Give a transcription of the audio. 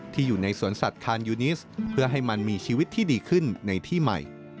อยู่ในสวนสัตว์คานยูนิสเพื่อให้มันมีชีวิตที่ดีขึ้นในที่ใหม่